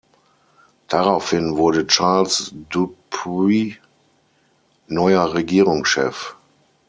Daraufhin wurde Charles Dupuy neuer Regierungschef.